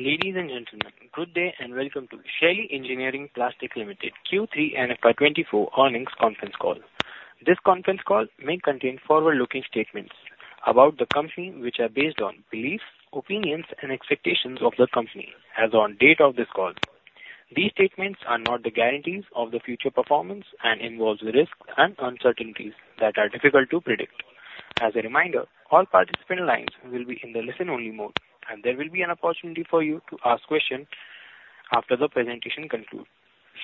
Ladies and gentlemen, good day and welcome to Shaily Engineering Plastics Limited Q3 and FY 2024 earnings conference call. This conference call may contain forward-looking statements about the company, which are based on beliefs, opinions, and expectations of the company as on date of this call. These statements are not the guarantees of the future performance and involves risks and uncertainties that are difficult to predict. As a reminder, all participant lines will be in the listen-only mode, and there will be an opportunity for you to ask questions after the presentation concludes.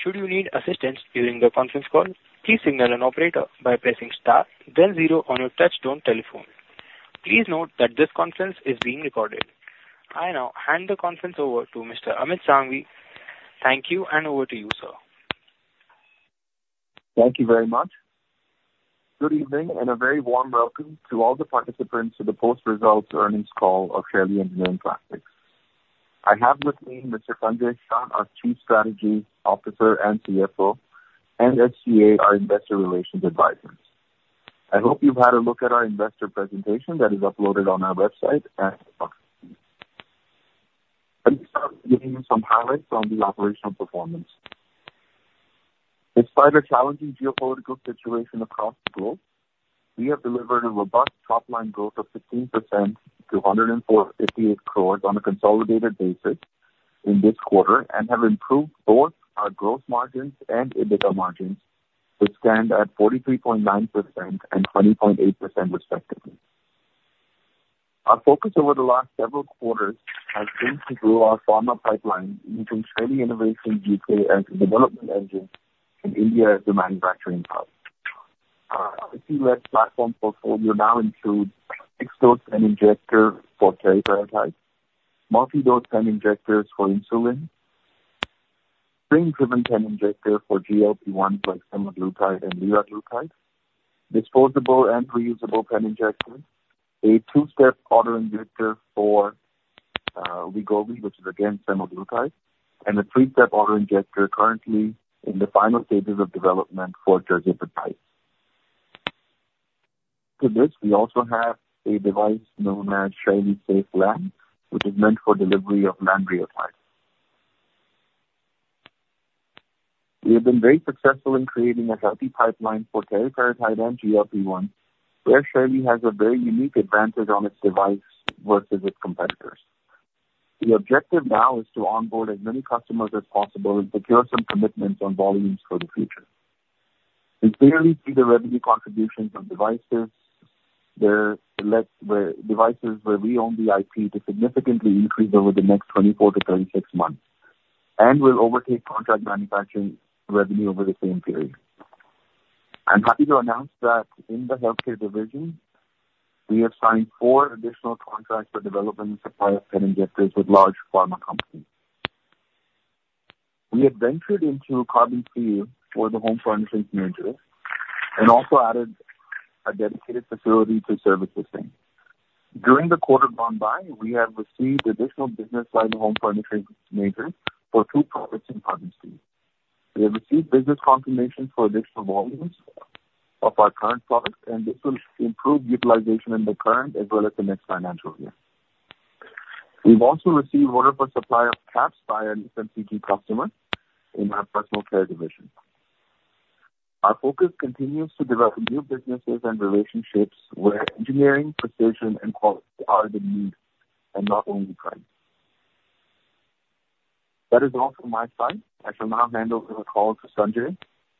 Should you need assistance during the conference call, please signal an operator by pressing star then zero on your touchtone telephone. Please note that this conference is being recorded. I now hand the conference over to Mr. Amit Sanghvi. Thank you, and over to you, sir. Thank you very much. Good evening, and a very warm welcome to all the participants to the post-results earnings call of Shaily Engineering Plastics. I have with me Mr. Sanjay Shah, our Chief Strategy Officer and CFO, and SGA, our investor relations advisors. I hope you've had a look at our investor presentation that is uploaded on our website and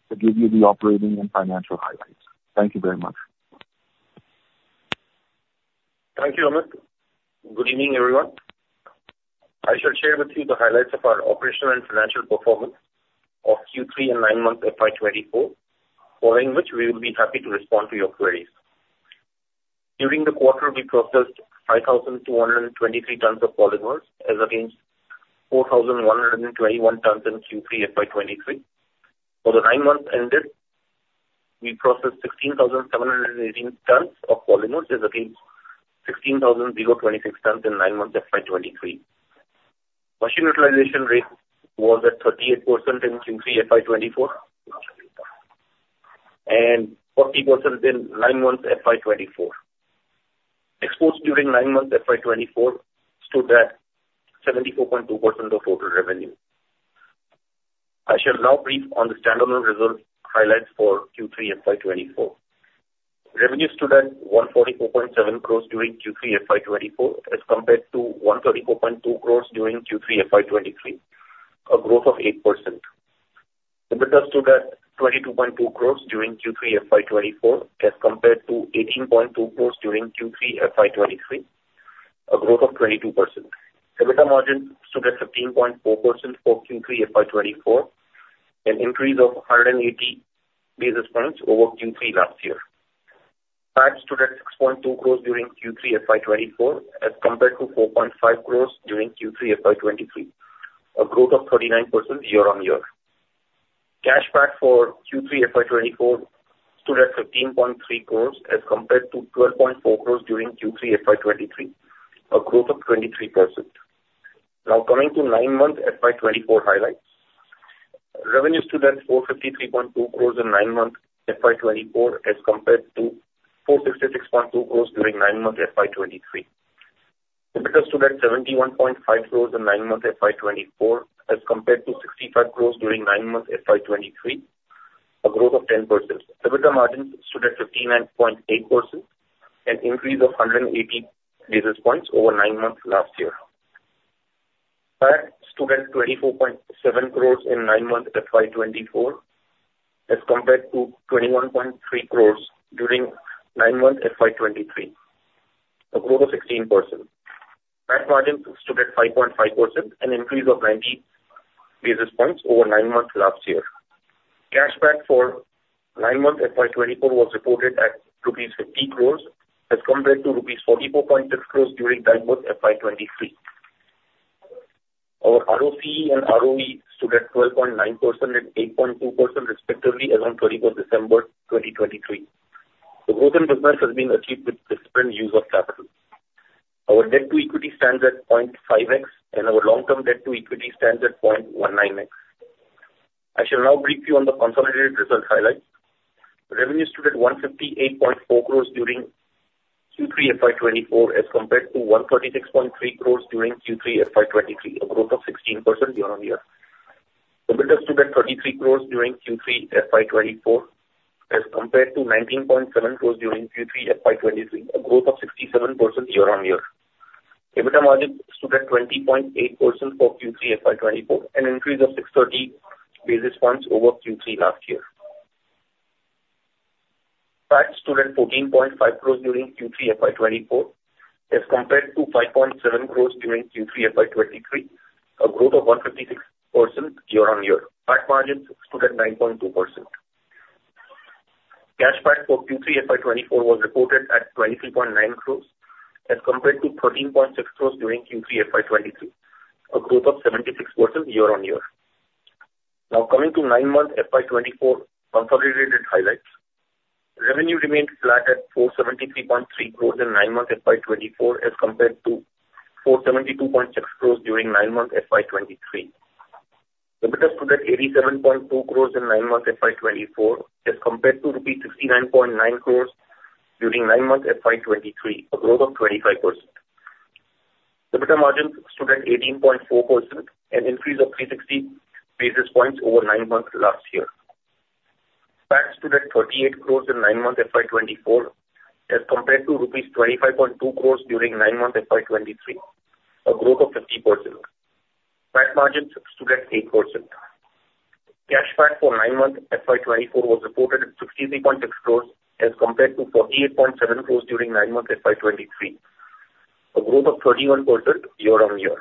Thank you, Amit. Good evening, everyone. I shall share with you the highlights of our operational and financial performance of Q3 and nine months FY 2024, following which we will be happy to respond to your queries. During the quarter, we processed 5,223 tons of polymers, as against 4,121 tons in Q3 FY 2023. For the nine months ended, we processed 16,718 tons of polymers as against 16,026 tons in nine months FY 2023. Machine utilization rate was at 38% in Q3 FY 2024 and 40% in nine months FY 2024. Exports during nine months FY 2024 stood at 74.2% of total revenue. I shall now brief on the standalone results highlights for Q3 FY 2024. Revenue stood at 144.7 crores during Q3 FY 2024 as compared to 134.2 crores during Q3 FY 2023, a growth of 8%. EBITDA stood at 22.2 crores during Q3 FY 2024 as compared to 18.2 crores during Q3 FY 2023, a growth of 22%. EBITDA margin stood at 15.4% for Q3 FY 2024, an increase of 180 basis points over Q3 last year. PAT stood at 6.2 crores during Q3 FY 2024 as compared to 4.5 crores during Q3 FY 2023, a growth of 39% year on year. Cash PAT for Q3 FY 2024 stood at 15.3 crores as compared to 12.4 crores during Q3 FY 2023, a growth of 23%. Now coming to nine-month FY 2024 highlights. Revenue stood at 453.2 crores in nine months FY 2024 as compared to 466.2 crores during nine months FY 2023. EBITDA stood at 71.5 crores in nine months FY 2024 as compared to 65 crores during nine months FY 2023, a growth of 10%. EBITDA margin stood at 59.8%, an increase of 180 basis points over nine months last year. PAT stood at INR 24.7 crores in nine months FY 2024 as compared to 21.3 crores during nine months FY 2023, a growth of 16%. PAT margin stood at 5.5%, an increase of 90 basis points over nine months last year. Cash PAT for nine months FY 2024 was reported at rupees 50 crores as compared to rupees 44.6 crores during nine months FY 2023. Our ROCE and ROE stood at 12.9% and 8.2% respectively as on 31st December 2023. The growth in business has been achieved with disciplined use of capital. Our debt to equity stands at 0.5x and our long-term debt to equity stands at 0.19x. I shall now brief you on the consolidated results highlights. Revenue stood at 158.4 crores during Q3 FY 2024 as compared to 136.3 crores during Q3 FY 2023, a growth of 16% year-on-year. EBITDA stood at 33 crores during Q3 FY 2024 as compared to 19.7 crores during Q3 FY 2023, a growth of 67% year-on-year. EBITDA margin stood at 20.8% for Q3 FY 2024, an increase of 630 basis points over Q3 last year. PAT stood at 14.5 crores during Q3 FY 2024 as compared to 5.7 crores during Q3 FY 2023, a growth of 156% year-on-year. PAT margin stood at 9.2%. Cash PAT for Q3 FY 2024 was reported at 23.9 crores as compared to 13.6 crores during Q3 FY 2023, a growth of 76% year-on-year. Coming to nine-month FY 2024 consolidated highlights. Revenue remained flat at 473.3 crores in nine-month FY 2024 as compared to 472.6 crores during nine-month FY 2023. EBITDA stood at 87.2 crores in nine-month FY 2024 as compared to INR 69.9 crores during nine-month FY 2023, a growth of 25%. EBITDA margin stood at 18.4%, an increase of 360 basis points over nine months last year. PAT stood at 38 crores in nine-month FY 2024 as compared to rupees 25.2 crores during nine-month FY 2023, a growth of 50%. PAT margin stood at 8%. Cash PAT for nine-month FY 2024 was reported at 63.6 crores as compared to 48.7 crores during nine-month FY 2023, a growth of 31% year-on-year.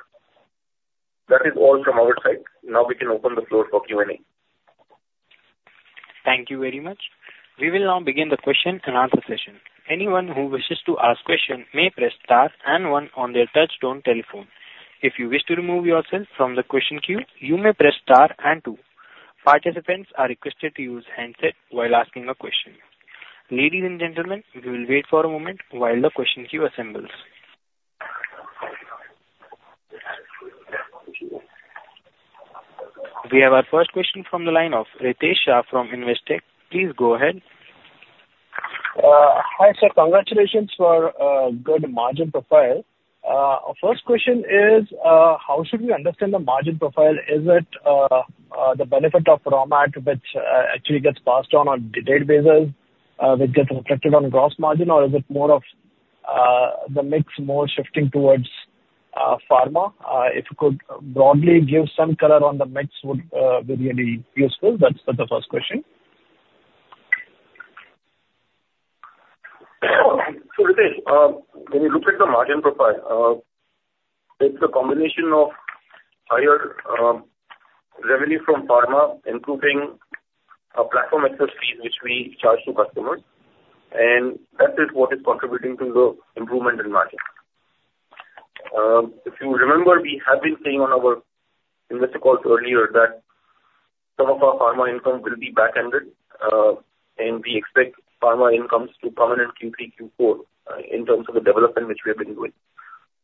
That is all from our side. We can open the floor for Q&A. Thank you very much. We will now begin the question and answer session. Anyone who wishes to ask question may press star and one on their touchtone telephone. If you wish to remove yourself from the question queue, you may press star and two. Participants are requested to use handset while asking a question. Ladies and gentlemen, we will wait for a moment while the question queue assembles. We have our first question from the line of Ritesh Shah from Investec. Please go ahead. Hi, sir. Congratulations for good margin profile. First question is, how should we understand the margin profile? Is it the benefit of raw material which actually gets passed on a delayed basis, which gets reflected on gross margin, or is it more of the mix more shifting towards pharma? If you could broadly give some color on the mix, would be really useful. That's the first question. Ritesh, when you look at the margin profile, it's a combination of higher revenue from pharma, improving our platform access fee, which we charge to customers, and that is what is contributing to the improvement in margin. If you remember, we have been saying on our investor calls earlier that some of our pharma income will be back-ended, and we expect pharma incomes to come in in Q3, Q4, in terms of the development which we have been doing.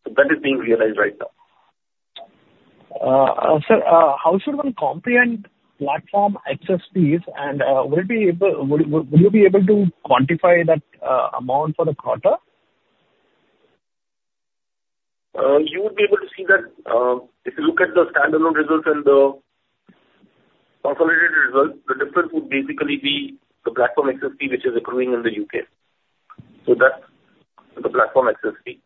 That is being realized right now. Sir, how should one comprehend platform access fees and will you be able to quantify that amount for the quarter? You would be able to see that if you look at the standalone results and the consolidated results, the difference would basically be the platform access fee which is accruing in the U.K. That's the platform access fee.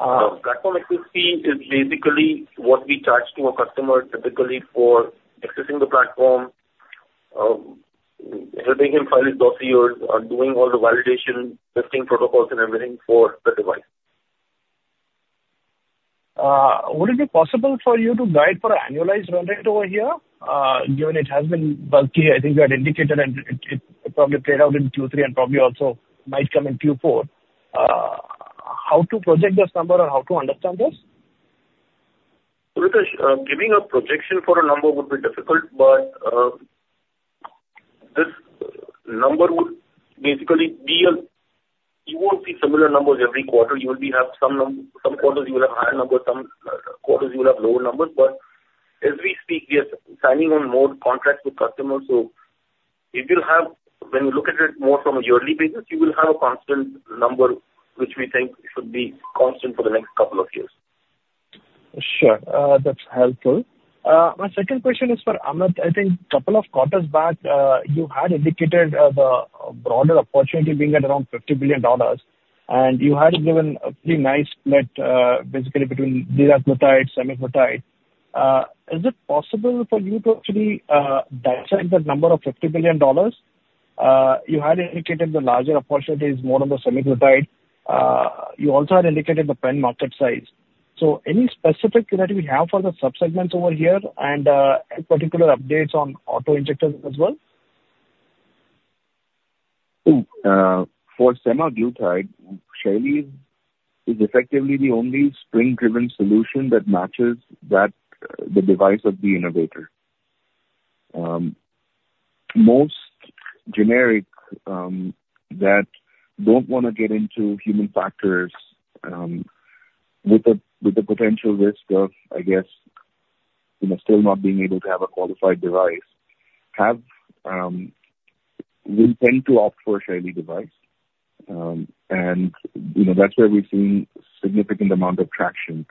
Uh- Platform access fee is basically what we charge to a customer typically for accessing the platform, helping him file his dossiers, or doing all the validation, testing protocols, and everything for the device. Would it be possible for you to guide for an annualized run rate over here, given it has been bulky? I think you had indicated, and it probably played out in Q3 and probably also might come in Q4. How to project this number or how to understand this? Ritesh, giving a projection for a number would be difficult. You won't see similar numbers every quarter. Some quarters you will have higher numbers, some quarters you will have lower numbers. As we speak, we are signing on more contracts with customers. When you look at it more from a yearly basis, you will have a constant number, which we think should be constant for the next couple of years. Sure. That's helpful. My second question is for Amit. I think couple of quarters back, you had indicated the broader opportunity being at around $50 billion, and you had given a pretty nice split, basically between liraglutide, semaglutide. Is it possible for you to actually dissect that number of $50 billion? You had indicated the larger opportunity is more on the semaglutide. You also had indicated the pen market size. Any specific clarity we have for the sub-segments over here and any particular updates on auto-injectors as well? For semaglutide, Shaily is effectively the only spring-driven solution that matches the device of the innovator. Most generics that don't want to get into human factors with the potential risk of, I guess, still not being able to have a qualified device will tend to opt for a Shaily device. That's where we've seen significant amount of traction.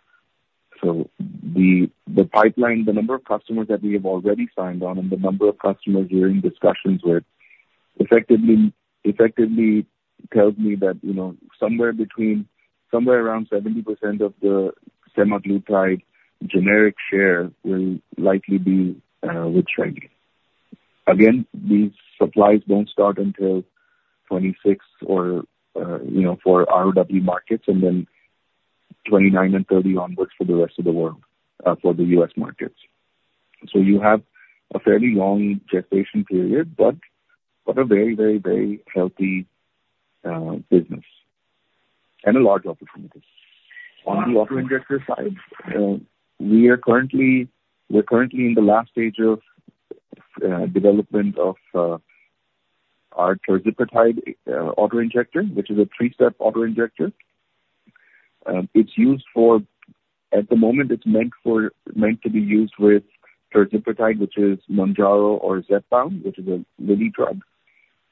The pipeline, the number of customers that we have already signed on and the number of customers we're in discussions with effectively tells me that somewhere around 70% of the semaglutide generic share will likely be with Shaily. Again, these supplies don't start until 2026 for ROW markets and then 2029 and 2030 onwards for the rest of the world, for the U.S. markets. You have a fairly long gestation period, but a very healthy business and a large opportunity. On the auto-injector side, we're currently in the last stage of development of our tirzepatide auto-injector, which is a three-step auto-injector. At the moment, it's meant to be used with tirzepatide, which is Mounjaro or Zepbound, which is a Lilly drug,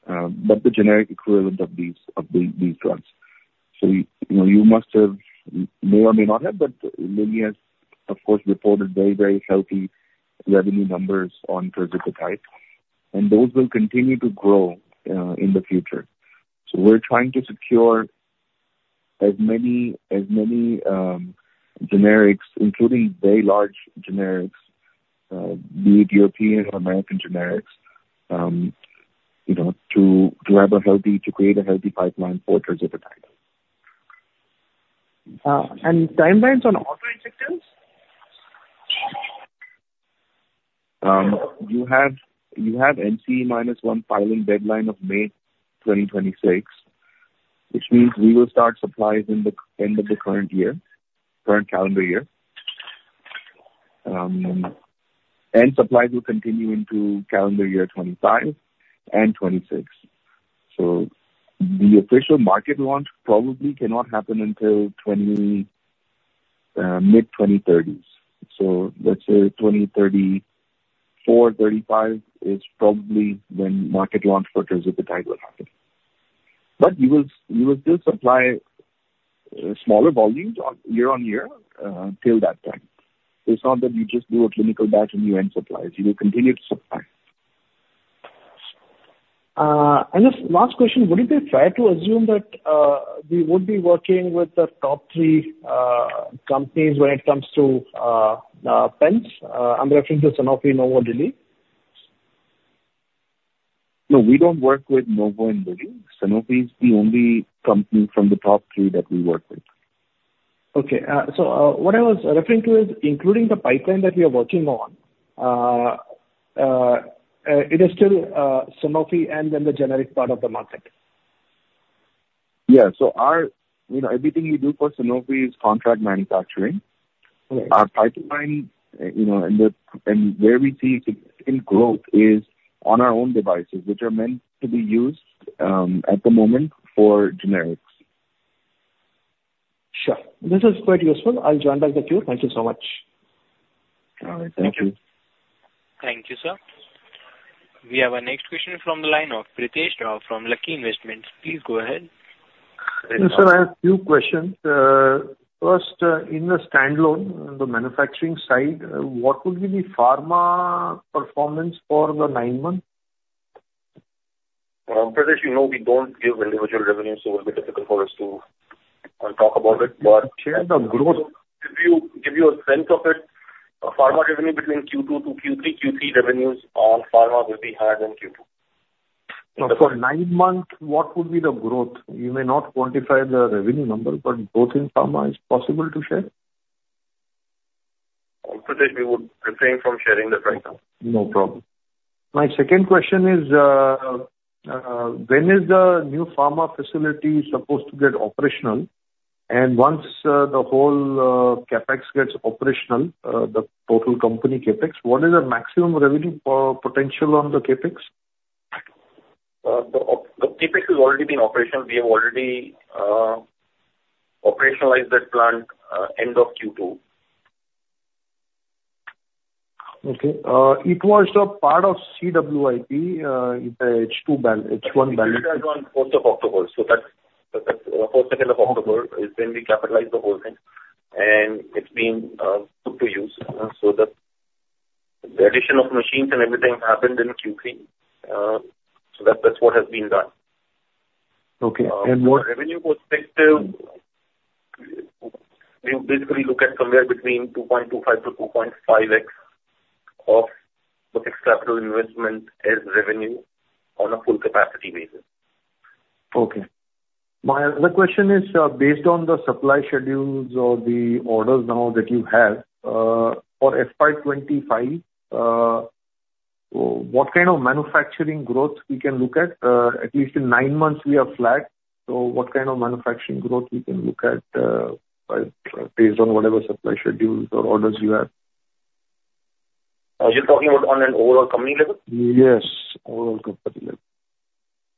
but the generic equivalent of these drugs. You may or may not have, but Lilly has of course reported very healthy revenue numbers on tirzepatide, those will continue to grow in the future. We're trying to secure as many generics, including very large generics, be it European or American generics, to create a healthy pipeline for tirzepatide. Timelines on auto-injectors? You have N minus one filing deadline of May 2026, which means we will start supplies in the end of the current calendar year. Supplies will continue into calendar year 2025 and 2026. The official market launch probably cannot happen until mid-2030s. Let's say 2034, 2035 is probably when market launch for tirzepatide will happen. We will still supply smaller volumes year on year till that time. It's not that we just do a clinical batch and we end supplies. We will continue to supply. Just last question, would it be fair to assume that we would be working with the top three companies when it comes to pens? I'm referring to Sanofi, Novo, Lilly. No, we don't work with Novo and Lilly. Sanofi is the only company from the top three that we work with. Okay. What I was referring to is including the pipeline that we are working on, it is still Sanofi and then the generic part of the market. Yeah. Everything we do for Sanofi is contract manufacturing. Okay. Our pipeline and where we see significant growth is on our own devices, which are meant to be used, at the moment, for generics. Sure. This is quite useful. I'll join back the queue. Thank you so much. All right. Thank you. Thank you, sir. We have our next question from the line of Pritesh Chheda from Lucky Investments. Please go ahead. Yes, sir, I have few questions. First, in the standalone, the manufacturing side, what would be the pharma performance for the nine months? Pritesh, you know we don't give individual revenues, so it will be difficult for us to talk about it. Sure, the growth to give you a sense of it, pharma revenue between Q2 to Q3 revenues on pharma will be higher than Q2. No, for nine months, what would be the growth? You may not quantify the revenue number, but growth in pharma is possible to share? Pritesh, we would refrain from sharing that right now. No problem. My second question is, when is the new pharma facility supposed to get operational? Once the whole CapEx gets operational, the total company CapEx, what is the maximum revenue potential on the CapEx? The CapEx has already been operational. We have already operationalized that plant end of Q2. Okay. It was a part of CWIP. 4th of October. 4th of October is when we capitalized the whole thing, and it's been put to use so that the addition of machines and everything happened in Q3. That's what has been done. Okay. Revenue perspective, we basically look at somewhere between 2.25 to 2.5x of the fixed capital investment as revenue on a full capacity basis. Okay. My other question is based on the supply schedules or the orders now that you have, for FY 2025, what kind of manufacturing growth we can look at? At least in nine months we are flat, what kind of manufacturing growth we can look at based on whatever supply schedules or orders you have? Are you talking about on an overall company level? Yes, overall company level.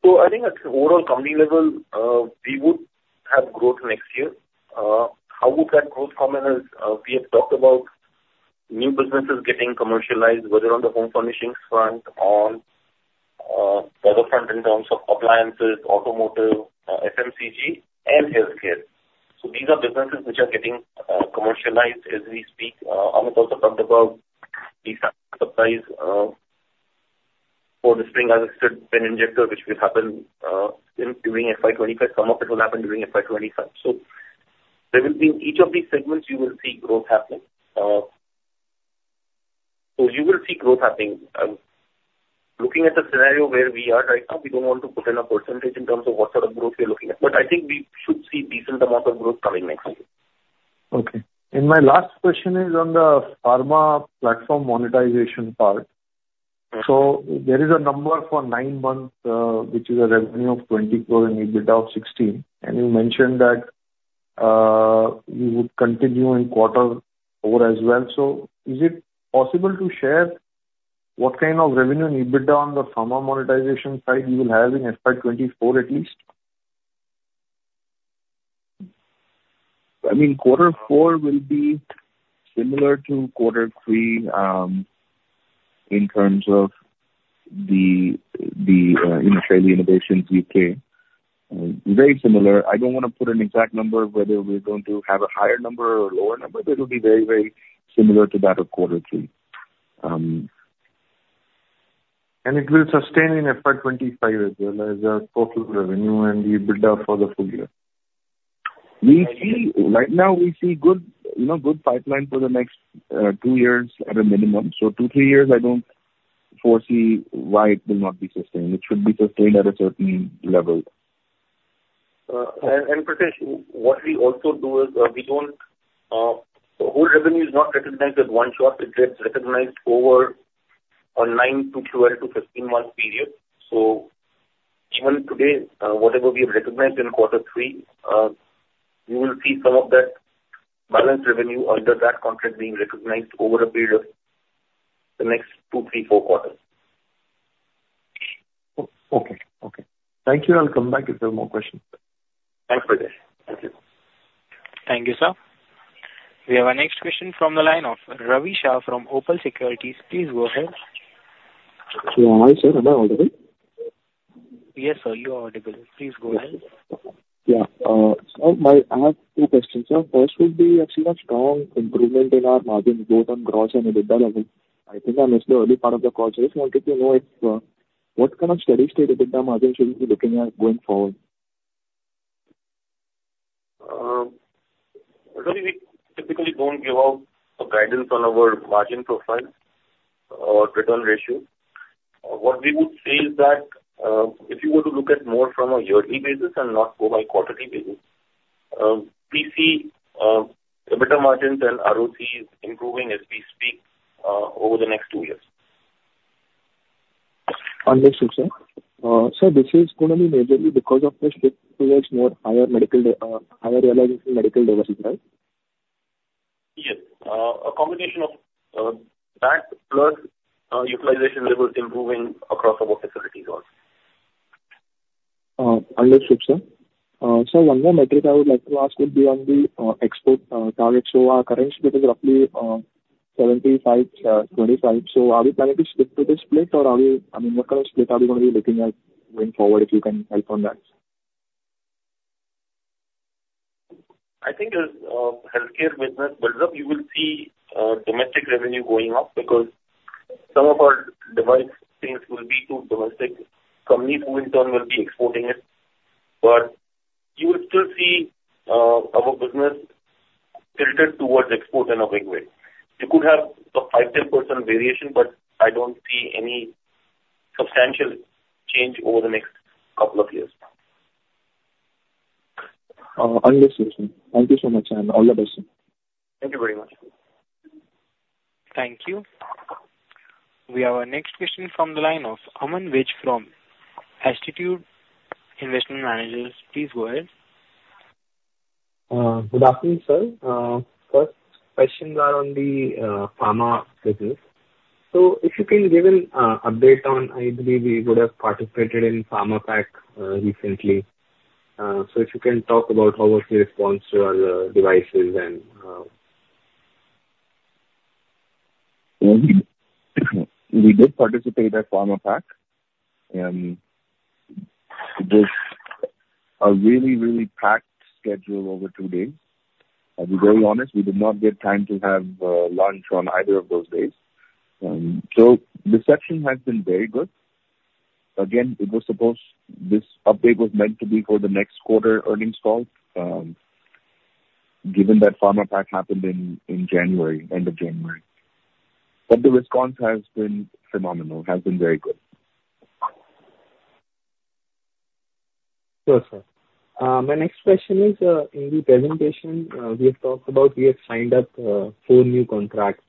I think at overall company level, we would have growth next year. How would that growth come in is, we have talked about new businesses getting commercialized, whether on the home furnishings front or the front in terms of appliances, automotive, FMCG and healthcare. These are businesses which are getting commercialized as we speak. Amit also talked about the supplies for the spring-assisted pen injector, which will happen during FY 2025. Some of it will happen during FY 2025. In each of these segments, you will see growth happen. You will see growth happening. Looking at the scenario where we are right now, we don't want to put in a percentage in terms of what sort of growth we are looking at, but I think we should see decent amount of growth coming next year. Okay. My last question is on the pharma platform monetization part. There is a number for nine months, which is a revenue of 20 billion, EBITDA of 16, and you mentioned that you would continue in quarter four as well. Is it possible to share what kind of revenue and EBITDA on the pharma monetization side you will have in FY 2024 at least? I mean, quarter four will be similar to quarter three, in terms of the Shaily Innovations UK. Very similar. I don't want to put an exact number whether we're going to have a higher number or a lower number, but it'll be very similar to that of quarter three. It will sustain in FY 2025 as well as our total revenue and EBITDA for the full year. Right now we see good pipeline for the next two years at a minimum. Two, three years, I don't foresee why it will not be sustained. It should be sustained at a certain level. Pritesh, what we also do is, the whole revenue is not recognized at one shot. It gets recognized over a nine to 12 to 15-month period. Even today, whatever we have recognized in quarter three, you will see some of that balanced revenue under that contract being recognized over a period of the next two, three, four quarters. Okay. Thank you, and I'll come back if there are more questions. Thanks, Pritesh. Thank you. Thank you, sir. We have our next question from the line of Ravi Shah from Opal Securities. Please go ahead. Hi, sir. Am I audible? Yes, sir, you are audible. Please go ahead. Yeah. Sir, I have two questions. Sir, first would be, I have seen a strong improvement in our margin both on gross and EBITDA level. I think I missed the early part of the call. I just wanted to know what kind of steady state EBITDA margin should we be looking at going forward? Ravi, we typically don't give out a guidance on our margin profile or return ratio. What we would say is that if you were to look at more from a yearly basis and not go by quarterly basis, we see EBITDA margins and ROCE improving as we speak over the next two years. Understood, sir. Sir, this is going to be majorly because of the shift towards more higher realization medical devices, right? Yes. A combination of that plus utilization levels improving across our facilities also. Understood, sir. Sir, one more metric I would like to ask would be on the export target. Our current split is roughly 75, 25. Are we planning to stick to this split or what kind of split are we going to be looking at going forward, if you can help on that? I think as our healthcare business builds up, you will see domestic revenue going up because some of our device things will be to domestic companies who in turn will be exporting it. You will still see our business tilted towards export in a big way. You could have 5%-10% variation, but I don't see any substantial change over the next couple of years. Understood, sir. Thank you so much, and all the best, sir. Thank you very much. Thank you. We have our next question from the line of Aman Vij from Astute Investment Managers. Please go ahead. Good afternoon, sir. First questions are on the pharma business. If you can give an update on, I believe we would have participated in Pharmapack recently. If you can talk about how was the response to our devices. We did participate at Pharmapack, and it was a really packed schedule over two days. I'll be very honest, we did not get time to have lunch on either of those days. The section has been very good. Again, this update was meant to be for the next quarter earnings call, given that Pharmapack happened in January, end of January. The response has been phenomenal, has been very good. Sure, sir. My next question is, in the presentation, we have talked about we have signed up four new contracts.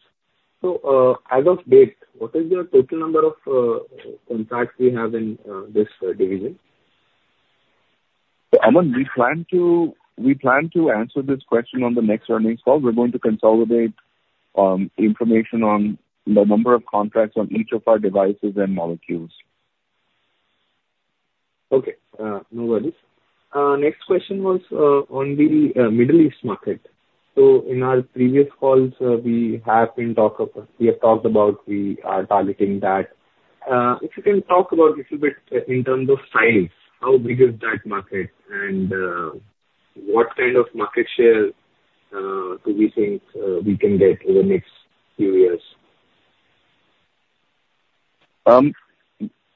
As of date, what is your total number of contracts we have in this division? Aman, we plan to answer this question on the next earnings call. We're going to consolidate information on the number of contracts on each of our devices and molecules. Okay. No worries. Next question was on the Middle East market. In our previous calls, we have talked about we are targeting that. If you can talk about a little bit in terms of size, how big is that market and what kind of market share do we think we can get over the next few years?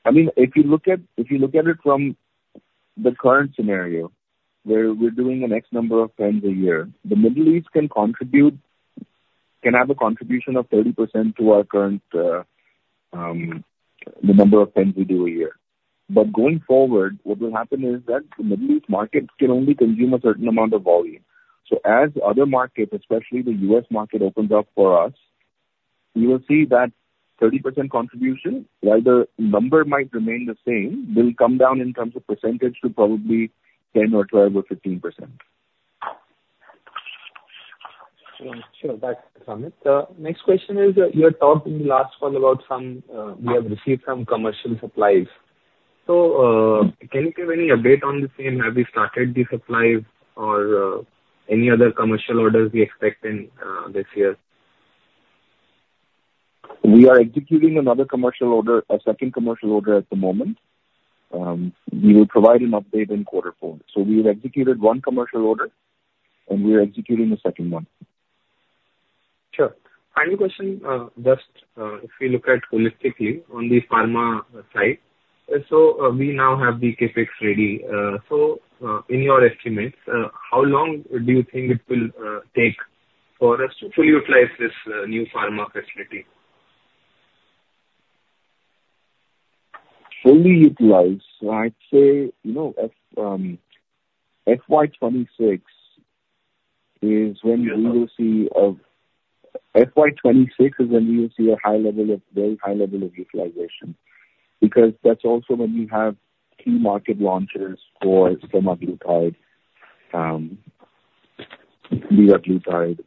If you look at it from the current scenario, where we're doing an X number of pens a year, the Middle East can have a contribution of 30% to our current, the number of pens we do a year. Going forward, what will happen is that the Middle East market can only consume a certain amount of volume. As other markets, especially the U.S. market, opens up for us, you will see that 30% contribution, while the number might remain the same, will come down in terms of percentage to probably 10% or 12% or 15%. Sure, thanks, Amit. Next question is, you had talked in the last call about we have received some commercial supplies. Can you give any update on the same? Have you started the supplies or any other commercial orders we expect in this year? We are executing another commercial order, a second commercial order at the moment. We will provide an update in quarter four. We've executed one commercial order and we are executing the second one. Sure. Final question, just if we look at holistically on the pharma side. We now have the CapEx ready. In your estimates, how long do you think it will take for us to fully utilize this new pharma facility? Fully utilize, I'd say FY 2026 is when we will see a very high level of utilization. Because that's also when we have key market launches for semaglutide, liraglutide,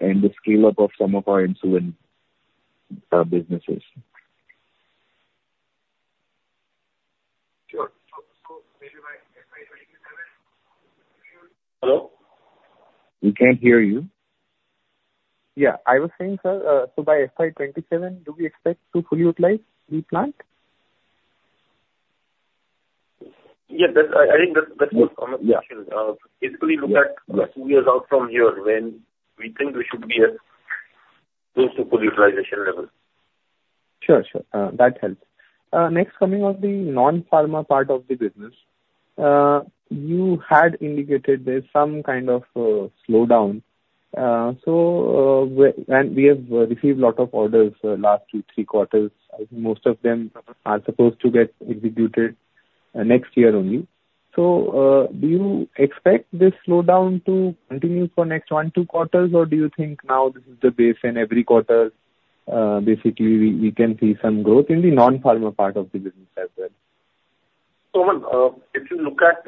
and the scale-up of some of our insulin businesses. Sure. Maybe by FY 2027. Hello? We can't hear you. Yeah. I was saying, sir, by FY 2027, do we expect to fully utilize the plant? Yeah. I think that's more commercial. Yeah. Basically look at two years out from here when we think we should be at close to full utilization level. Sure. That helps. Next, coming off the non-pharma part of the business. You had indicated there's some kind of slowdown. We have received lot of orders last two, three quarters. I think most of them are supposed to get executed next year only. Do you expect this slowdown to continue for next one, two quarters, or do you think now this is the base and every quarter, basically, we can see some growth in the non-pharma part of the business as well? If you look at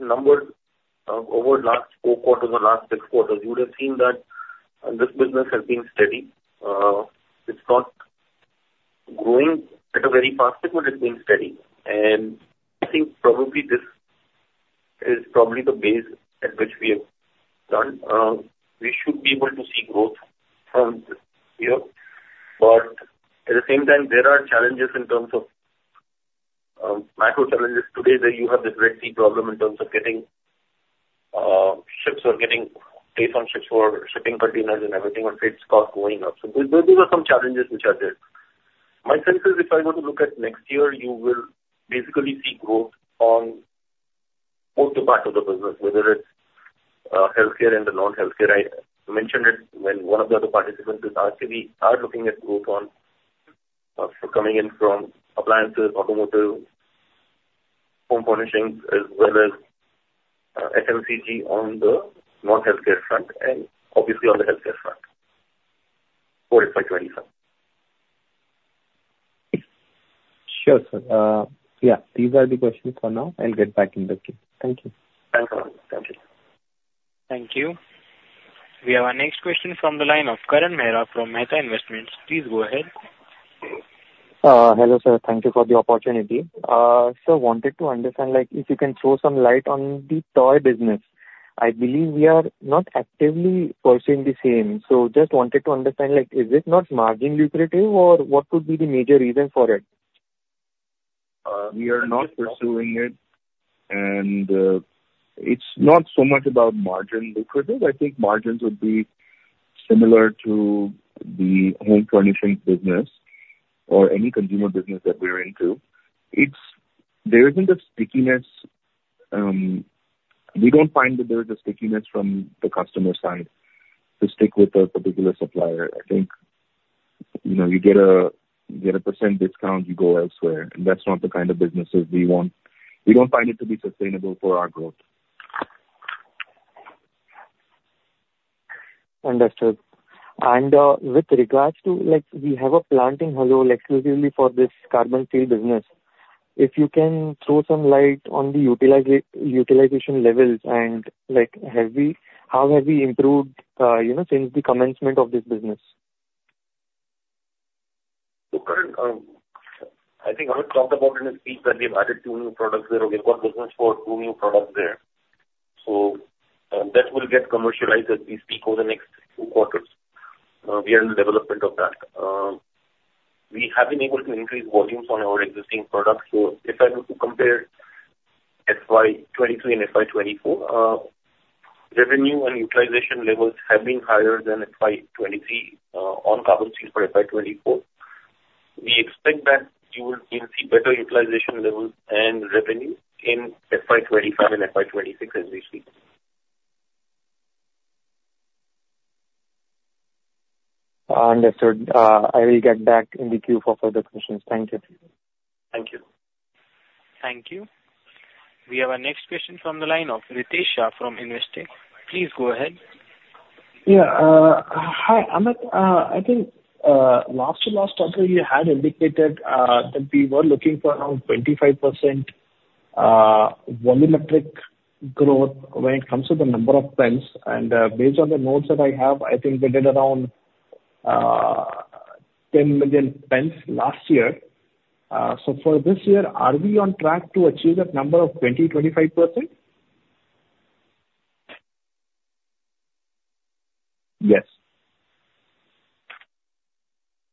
numbers over last four quarters or last six quarters, you would have seen that this business has been steady. It's not growing at a very fast clip. It's been steady. I think probably this is probably the base at which we have done. We should be able to see growth from here. At the same time, there are challenges in terms of macro challenges today where you have this Red Sea problem in terms of getting ships or getting based on ships or shipping containers and everything, or freight cost going up. Those are some challenges which are there. My sense is if I were to look at next year, you will basically see growth on both the parts of the business, whether it's healthcare and the non-healthcare. I mentioned it when one of the other participants is asking, we are looking at growth coming in from appliances, automotive Home furnishings as well as FMCG on the non-healthcare front and obviously on the healthcare front for FY 2025. Sure, sir. These are the questions for now. I'll get back in the queue. Thank you. Thank you. Thank you. We have our next question from the line of Karan Mehra from Mehta Investments. Please go ahead. Hello, sir. Thank you for the opportunity. Sir, wanted to understand if you can throw some light on the toy business. I believe we are not actively pursuing the same. Just wanted to understand, is it not margin lucrative or what could be the major reason for it? We are not pursuing it, and it's not so much about margin lucrative. I think margins would be similar to the home furnishings business or any consumer business that we're into. There isn't a stickiness. We don't find that there's a stickiness from the customer side to stick with a particular supplier. I think you get a percent discount, you go elsewhere, and that's not the kind of businesses we want. We don't find it to be sustainable for our growth. Understood. With regards to, we have a plant in Halol exclusively for this carbon steel business. If you can throw some light on the utilization levels and how have we improved since the commencement of this business. Karan, I think Amit talked about in his speech that we have added two new products there or we've got business for two new products there. That will get commercialized as we speak over the next two quarters. We are in the development of that. We have been able to increase volumes on our existing products. If I were to compare FY 2023 and FY 2024, revenue and utilization levels have been higher than FY 2023 on carbon steel for FY 2024. We expect that you will see better utilization levels and revenue in FY 2025 and FY 2026 as we speak. Understood. I will get back in the queue for further questions. Thank you. Thank you. Thank you. We have our next question from the line of Ritesh Shah from Investec. Please go ahead. Yeah. Hi, Amit. I think last financial year you had indicated that we were looking for around 25% volumetric growth when it comes to the number of pens and based on the notes that I have, I think they did around 10 million pens last year. For this year, are we on track to achieve that number of 20%, 25%? Yes.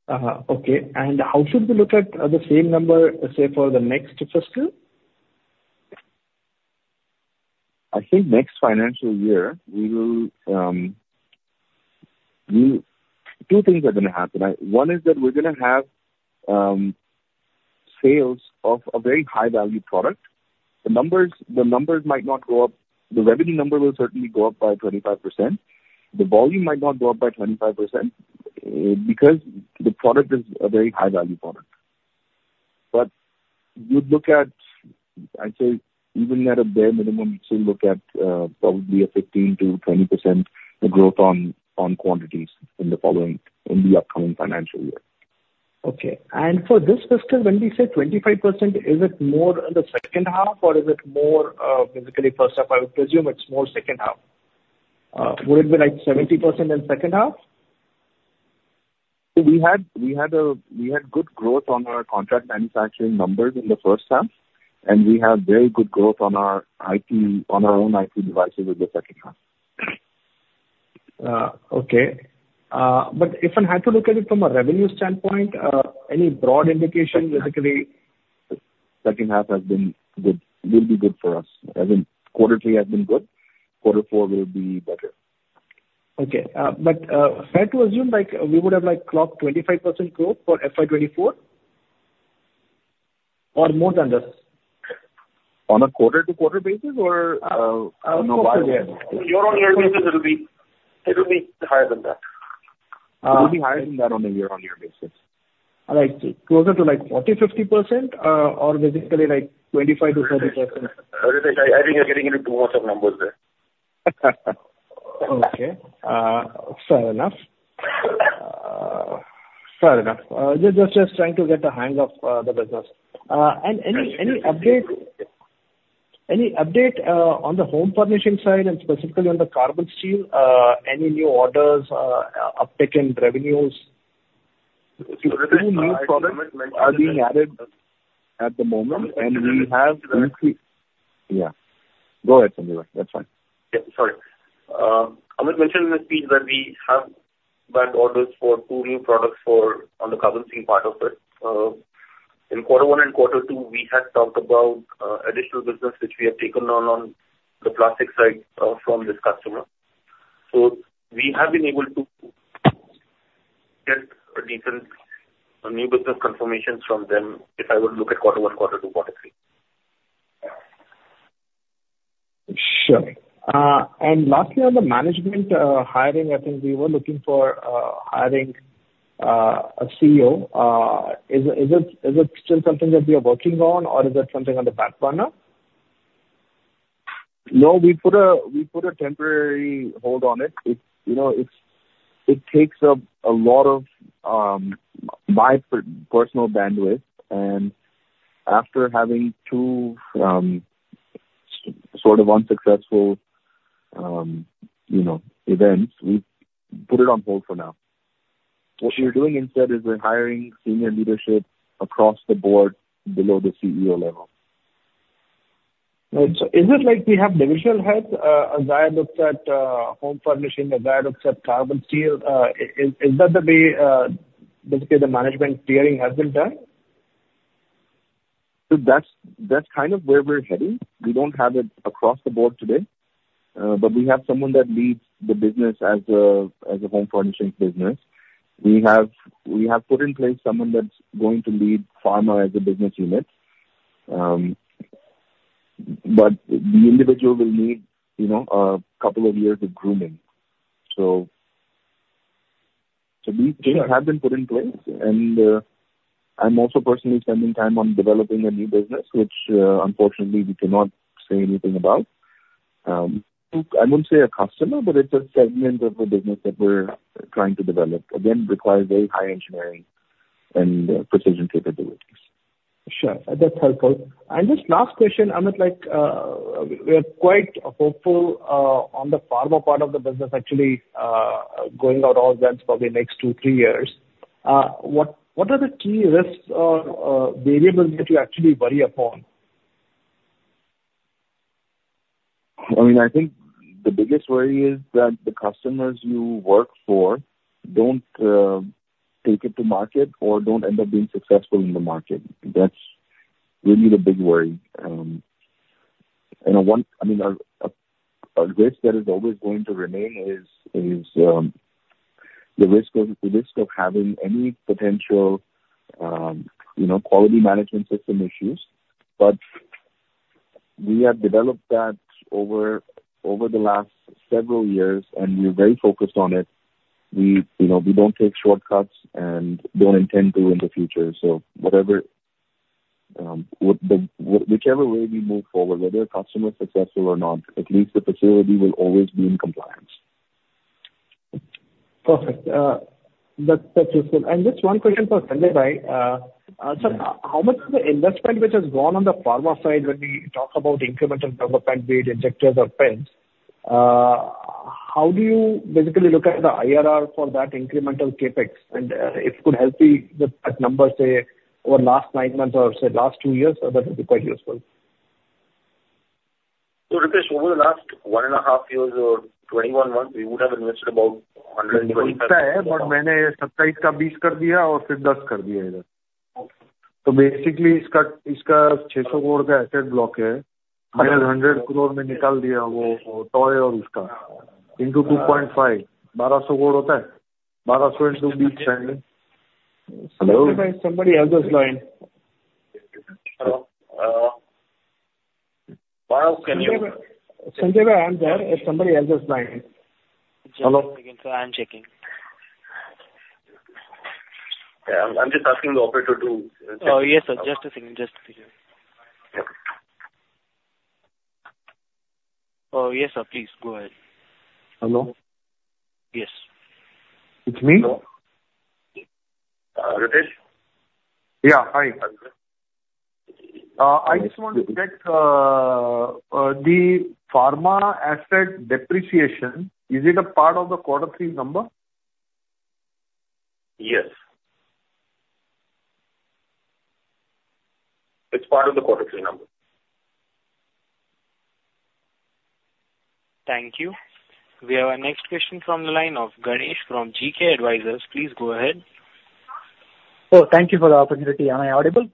Okay. How should we look at the same number, say, for the next fiscal? I think next financial year, two things are going to happen. One is that we're going to have sales of a very high-value product. The numbers might not go up. The revenue number will certainly go up by 25%. The volume might not go up by 25% because the product is a very high-value product. You look at, I'd say even at a bare minimum, you'd still look at probably a 15%-20% growth on quantities in the upcoming financial year. Okay. For this fiscal, when we say 25%, is it more in the second half or is it more basically first half? I would presume it's more second half. Would it be like 70% in second half? We had good growth on our contract manufacturing numbers in the first half, and we have very good growth on our own IP devices in the second half. Okay. If I had to look at it from a revenue standpoint, any broad indication basically? Second half has been good. Will be good for us. As in quarter three has been good. Quarter four will be better. Okay. Fair to assume we would have clocked 25% growth for FY 2024? More than this? On a quarter-over-quarter basis or No, year-over-year. Year-over-year basis it will be higher than that. It will be higher than that on a year-on-year basis. Like closer to 40%-50% or basically 25%-30%? Ritesh, I think you're getting into too much of numbers there. Okay. Fair enough. Just trying to get the hang of the business. Any update on the home furnishing side and specifically on the carbon steel, any new orders, uptick in revenues? Two new products are being added at the moment. Yeah, go ahead, Sandeep. That's fine. Yeah, sorry. Amit mentioned in his speech that we have back orders for two new products on the carbon steel part of it. In quarter one and quarter two, we had talked about additional business which we have taken on the plastic side from this customer. We have been able to get a decent new business confirmation from them if I were to look at quarter one, quarter two, quarter three. Lastly, on the management hiring, I think we were looking for hiring a CEO. Is it still something that we are working on or is that something on the back burner? No, we put a temporary hold on it. It takes up a lot of my personal bandwidth, and after having two sort of unsuccessful events, we put it on hold for now. What we're doing instead is we're hiring senior leadership across the board below the CEO level. Right. Is it like we have divisional heads, a guy looks at home furnishing, a guy looks at carbon steel? Is that the way, basically, the management tiering has been done? That's kind of where we're heading. We don't have it across the board today. We have someone that leads the business as a home furnishings business. We have put in place someone that's going to lead pharma as a business unit. The individual will need a couple of years of grooming. These things have been put in place, and I'm also personally spending time on developing a new business, which, unfortunately, we cannot say anything about. I won't say a customer, but it's a segment of the business that we're trying to develop. Again, requires very high engineering and precision capabilities. Sure. That's helpful. Just last question, Amit. We are quite hopeful on the pharma part of the business actually going out on pens probably next two, three years. What are the key risks or variables that you actually worry upon? I think the biggest worry is that the customers you work for don't take it to market or don't end up being successful in the market. That's really the big worry. A risk that is always going to remain is the risk of having any potential quality management system issues. We have developed that over the last several years, and we're very focused on it. We don't take shortcuts and don't intend to in the future. Whichever way we move forward, whether a customer is successful or not, at least the facility will always be in compliance. Perfect. That's useful. Just one question for Sanjay. Sir, how much of the investment which has gone on the pharma side when we talk about incremental drug-eluting stent, be it injectors or pens, how do you basically look at the IRR for that incremental CapEx? If you could help me with that number, say, over last nine months or, say, last two years, that would be quite useful. Ritesh, over the last one and a half years or 21 months, we would have invested about INR 150. Sanjay, somebody else is line. Hello? Sanjay, I'm there. Somebody else is line. Just a second, sir. I'm checking. Yeah, I'm just asking the operator to check. Oh, yes, sir. Just a second. Oh, yes, sir. Please go ahead. Hello? Yes. It's me. Ritesh? Yeah. Hi. I just wanted to check, the pharma asset depreciation, is it a part of the quarter 3 number? Yes. It's part of the quarter 3 number. Thank you. We have our next question from the line of Ganesh from GK Advisors. Please go ahead. Oh, thank you for the opportunity. Am I audible?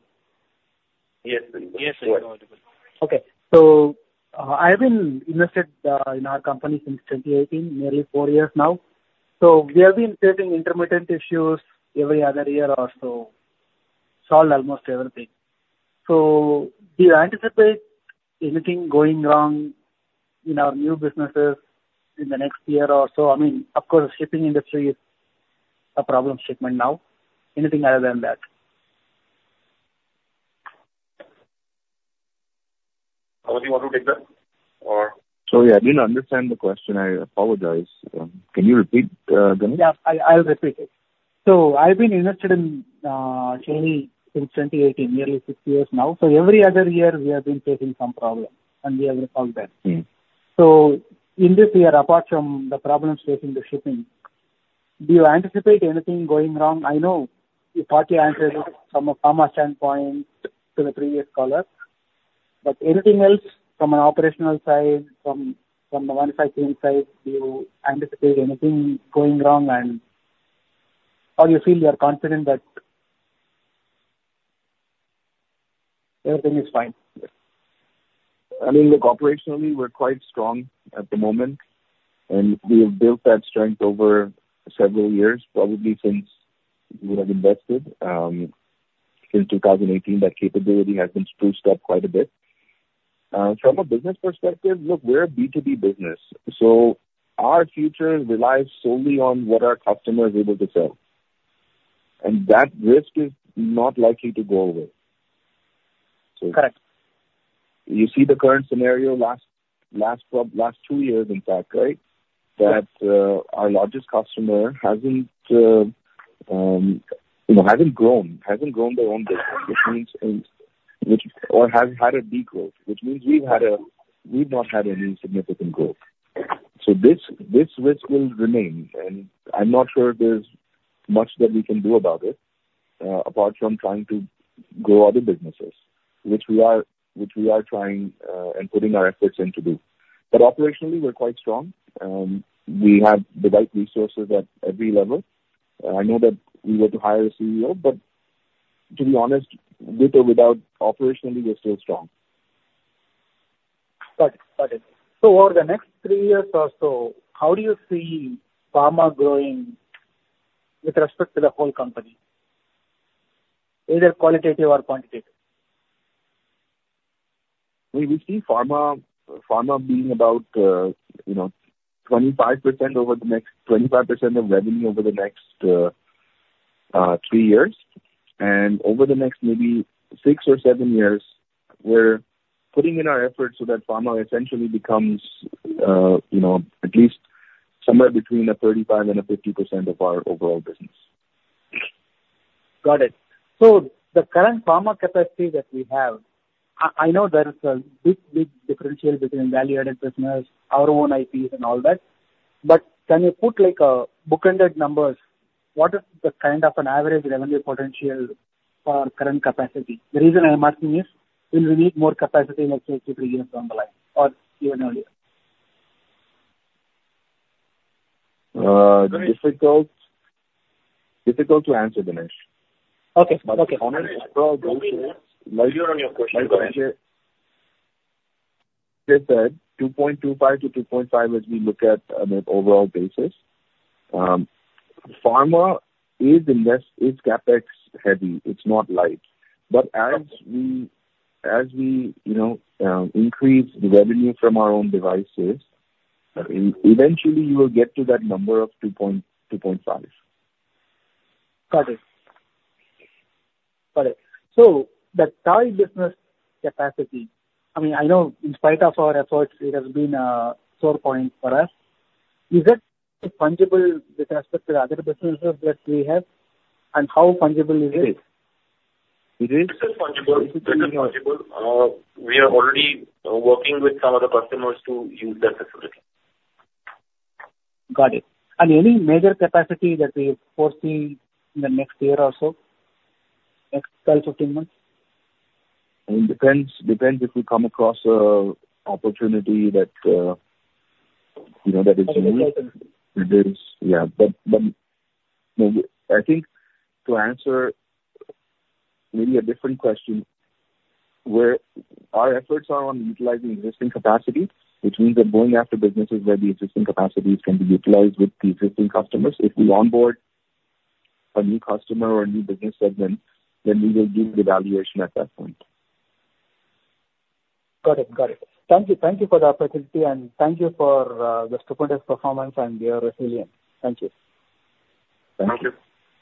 Yes. Yes, sir. You're audible. Okay. I've been invested in our company since 2018, nearly four years now. We have been facing intermittent issues every other year or so. Solved almost everything. Do you anticipate anything going wrong in our new businesses in the next year or so? Of course, the shipping industry is a problem shipment now. Anything other than that? Amit, you want to take that or Sorry, I didn't understand the question. I apologize. Can you repeat, Ganesh? I'll repeat it. I've been invested in Shail since 2018, nearly six years now. Every other year, we have been facing some problem, and we have resolved that. In this year, apart from the problems facing the shipping, do you anticipate anything going wrong? I know you partly answered it from a pharma standpoint to the previous caller. Anything else from an operational side, from the manufacturing side, do you anticipate anything going wrong? You feel you are confident that everything is fine? operationally, we're quite strong at the moment, and we have built that strength over several years, probably since you would have invested. Okay. Since 2018, that capability has been spruced up quite a bit. From a business perspective, look, we're a B2B business, so our future relies solely on what our customer is able to sell. That risk is not likely to go away. Correct. You see the current scenario last two years, in fact, right? That our largest customer hasn't grown their own business or has had a degrowth, which means we've not had any significant growth. This risk will remain, and I'm not sure there's much that we can do about it, apart from trying to grow other businesses, which we are trying and putting our efforts in to do. operationally, we're quite strong. We have the right resources at every level. I know that we were to hire a CEO, but to be honest, with or without, operationally, we're still strong. Got it. Over the next three years or so, how do you see pharma growing with respect to the whole company, either qualitative or quantitative? We see pharma being about 25% of revenue over the next three years, and over the next maybe six or seven years, we're putting in our efforts that pharma essentially becomes at least somewhere between a 35% and a 50% of our overall business. Got it. The current pharma capacity that we have, I know there is a big differential between value-added business, our own IPs and all that, but can you put bookended numbers? What is the kind of an average revenue potential for current capacity? The reason I'm asking is, will we need more capacity in the next two, three years down the line or even earlier? Difficult to answer, Ganesh. Okay. Ganesh, go ahead. You were on your question. Go ahead. Like I said, 2.25 to 2.5 as we look at on an overall basis. Pharma is CapEx heavy. It's not light. As we increase the revenue from our own devices, eventually you will get to that number of 2.5. The tile business capacity, I know in spite of our efforts, it has been a sore point for us. Is it fungible with respect to the other businesses that we have, and how fungible is it? It is. It is fungible. We are already working with some other customers to use that facility. Got it. Any major capacity that we foresee in the next year or so, next 12, 15 months? It depends if we come across a opportunity that is unique. I think to answer maybe a different question, our efforts are on utilizing existing capacity, which means we're going after businesses where the existing capacities can be utilized with the existing customers. If we onboard a new customer or a new business segment, we will do the evaluation at that point. Got it. Thank you for the opportunity, and thank you for the stupendous performance and your resilience. Thank you. Thank you.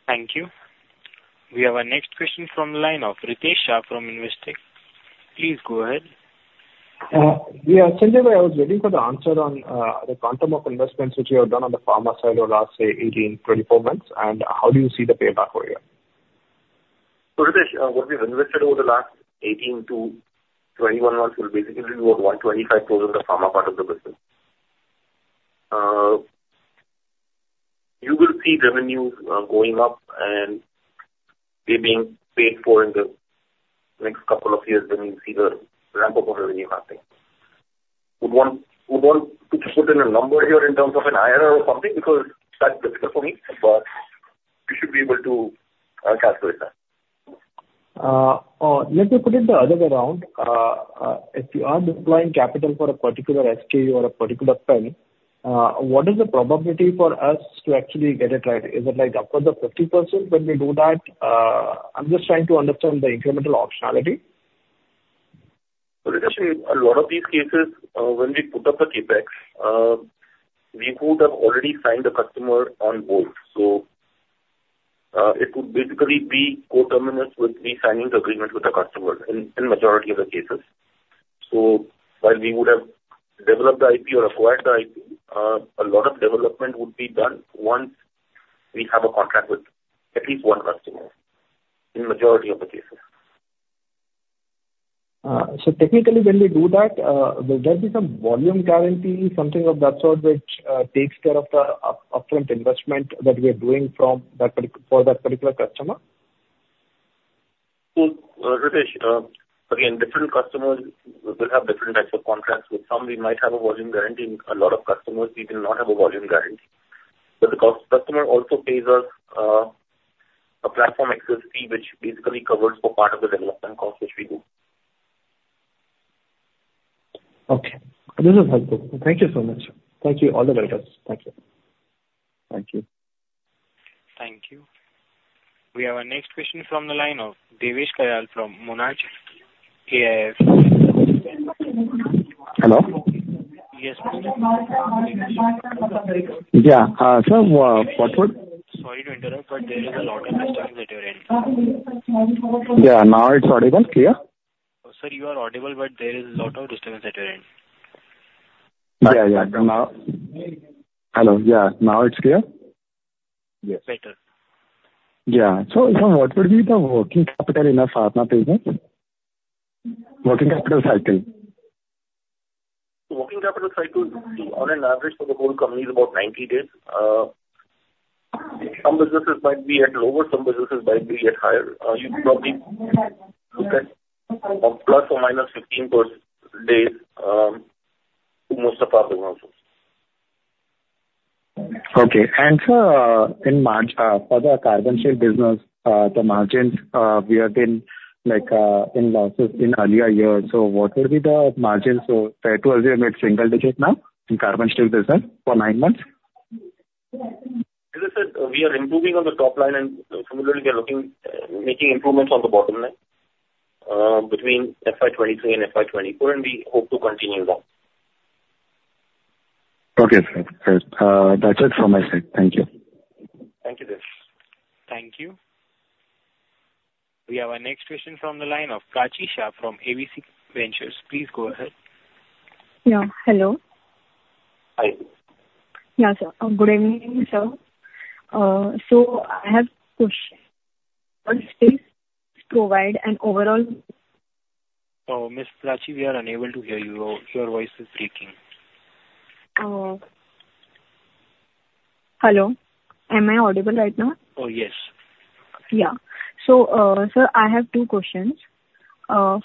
Thank you. We have our next question from the line of Ritesh Shah from Investec. Please go ahead. Yeah. Sanjay, I was waiting for the answer on the quantum of investments which you have done on the pharma side over the last, say, 18, 24 months, and how do you see the payback for here? Ritesh, what we've invested over the last 18 to 21 months will basically be about 125% of the pharma part of the business. You will see revenues going up and being paid for in the next couple of years when we see the ramp-up of revenue happening. Would want to put in a number here in terms of an IRR or something because that's difficult for me, but you should be able to calculate that. Let me put it the other way around. If you are deploying capital for a particular SKU or a particular pen, what is the probability for us to actually get it right? Is it like above the 50% when we do that? I'm just trying to understand the incremental optionality. Ritesh, in a lot of these cases, when we put up a CapEx, we would have already signed a customer on board. It would basically be coterminous with the signing of the agreement with the customer in majority of the cases. While we would have developed the IP or acquired the IP, a lot of development would be done once we have a contract with at least one customer in majority of the cases. Technically, when we do that, will there be some volume guarantee, something of that sort, which takes care of the upfront investment that we are doing for that particular customer? Ritesh, again, different customers will have different types of contracts. With some, we might have a volume guarantee. A lot of customers, we will not have a volume guarantee. The customer also pays us a platform access fee, which basically covers for part of the development cost, which we do. Okay. This is helpful. Thank you so much. Thank you. All the best. Thank you. Thank you. Thank you. We have our next question from the line of Devesh Kayal from Monarch Networth Capital. Hello. Yes. Yeah. Sir, Sorry to interrupt, but there is a lot of disturbance at your end. Yeah, now it's audible. Clear? Sir, you are audible, but there is a lot of disturbance at your end. Yeah. Hello. Yeah, now it's clear? Yes. Better. Sir, what would be the working capital in a pharma business? Working capital cycle. Working capital cycle on an average for the whole company is about 90 days. Some businesses might be at lower, some businesses might be at higher. You'd probably look at ±15 days to most of our businesses. Okay. Sir, for the carbon steel business, the margins we have been in losses in earlier years. What will be the margins, that was with single-digit now in carbon steel business for nine months? As I said, we are improving on the top line and similarly, we are making improvements on the bottom line, between FY 2023 and FY 2024. We hope to continue that. Okay, sir. Great. That's it from my side. Thank you. Thank you, Devesh. Thank you. We have our next question from the line of Prachi Shah from AVC Ventures. Please go ahead. Yeah. Hello. Hi. Sir. Good evening, sir. I have question. First is, provide an overall. Miss Prachi, we are unable to hear you. Your voice is breaking. Hello, am I audible right now? Yes. Yeah. Sir, I have two questions.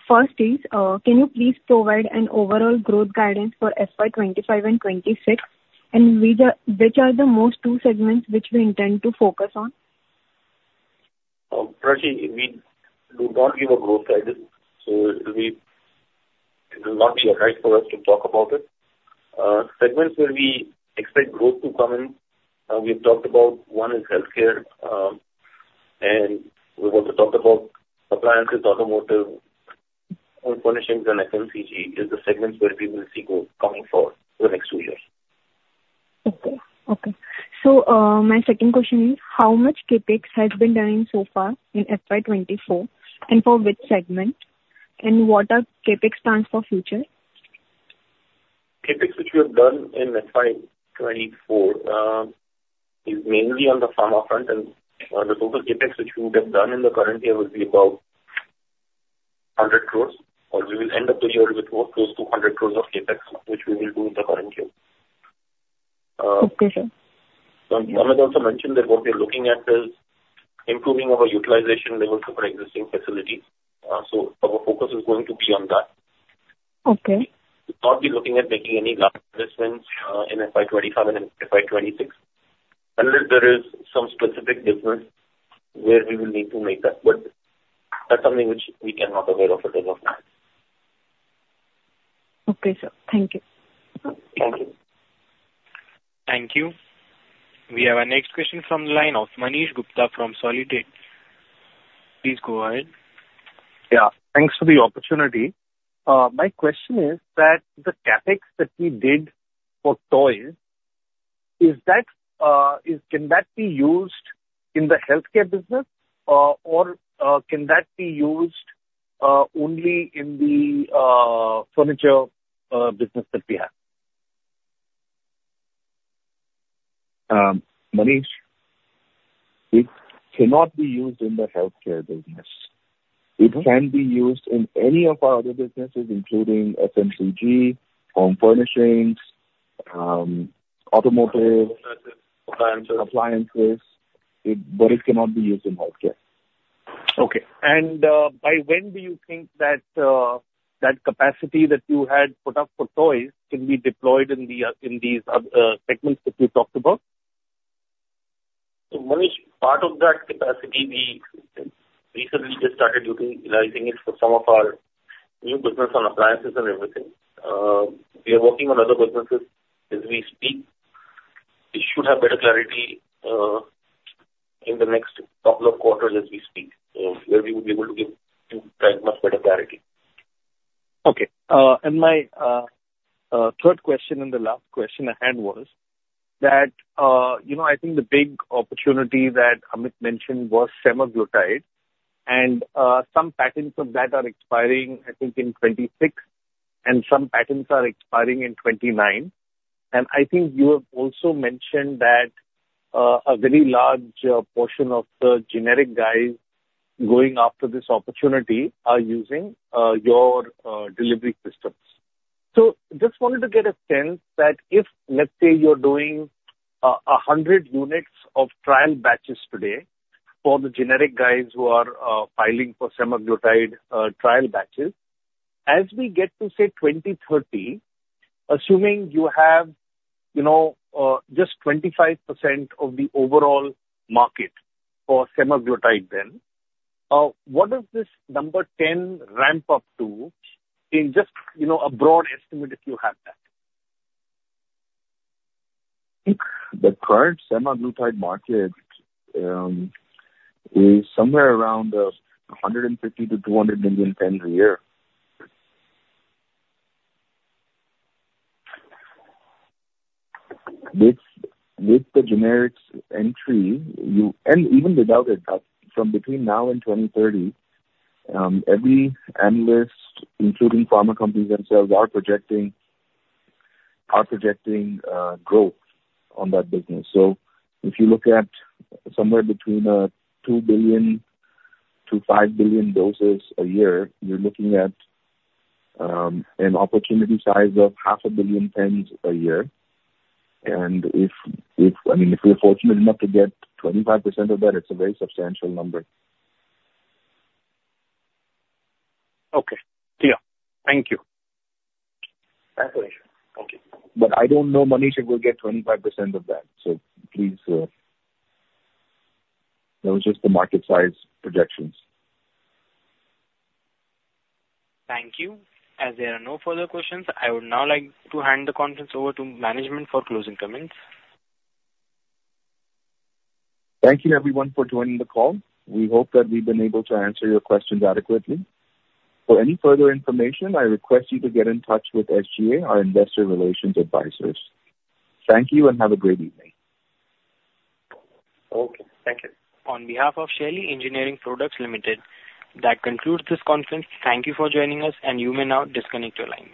First is, can you please provide an overall growth guidance for FY 2025 and 2026, and which are the most two segments which we intend to focus on? Prachi, we do not give a growth guidance, it will not be right for us to talk about it. Segments where we expect growth to come in, we've talked about one is healthcare, and we've also talked about appliances, automotive, home furnishings and FMCG is the segments where we will see growth coming for the next two years. Okay. My second question is, how much CapEx has been done so far in FY 2024, and for which segment? What are CapEx plans for future? CapEx, which we have done in FY 2024, is mainly on the pharma front the total CapEx, which we would have done in the current year, will be about 100 crores, we will end up the year with close to 100 crores of CapEx, which we will do in the current year. Okay, sir. Amit also mentioned that what we are looking at is improving our utilization levels of our existing facilities. Our focus is going to be on that. Okay. We will not be looking at making any large investments in FY 2025 and FY 2026, unless there is some specific business where we will need to make that's something which we cannot avail of as of now. Okay, sir. Thank you. Thank you. Thank you. We have our next question from the line of Manish Gupta from Solidus. Please go ahead. Yeah. Thanks for the opportunity. My question is that the CapEx that we did for toys, can that be used in the healthcare business or can that be used only in the furniture business that we have? Manish, it cannot be used in the healthcare business. Okay. It can be used in any of our other businesses, including FMCG, home furnishings. Appliances appliances, it cannot be used in healthcare. Okay. By when do you think that capacity that you had put up for toys can be deployed in these other segments that you talked about? Manish, part of that capacity, we recently just started utilizing it for some of our new business on appliances and everything. We are working on other businesses as we speak. We should have better clarity in the next couple of quarters as we speak. Where we would be able to give you much better clarity. Okay. My third question and the last question I had was that, I think the big opportunity that Amit mentioned was semaglutide and some patents of that are expiring, I think, in 2026 and some patents are expiring in 2029. I think you have also mentioned that a very large portion of the generic guys going after this opportunity are using your delivery systems. Just wanted to get a sense that if, let's say, you're doing 100 units of trial batches today for the generic guys who are filing for semaglutide trial batches, as we get to, say, 2030, assuming you have just 25% of the overall market for semaglutide then, what does this number 10 ramp up to in just a broad estimate, if you have that? I think the current semaglutide market is somewhere around 150 million-200 million pens a year. With the generics entry, and even without it, from between now and 2030, every analyst, including pharma companies themselves, are projecting growth on that business. If you look at somewhere between 2 billion-5 billion doses a year, you're looking at an opportunity size of half a billion pens a year. If we're fortunate enough to get 25% of that, it's a very substantial number. Okay. Yeah. Thank you. Definitely. Thank you. I don't know, Manish, if we'll get 25% of that. Please, that was just the market size projections. Thank you. As there are no further questions, I would now like to hand the conference over to management for closing comments. Thank you everyone for joining the call. We hope that we've been able to answer your questions adequately. For any further information, I request you to get in touch with SGA, our investor relations advisors. Thank you and have a great evening. Okay. Thank you. On behalf of Shaily Engineering Plastics Limited, that concludes this conference. Thank you for joining us and you may now disconnect your line.